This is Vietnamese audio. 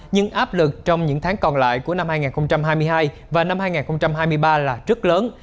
nhưng áp lực trong những tháng còn lại của năm hai nghìn hai mươi hai và năm hai nghìn hai mươi ba là rất lớn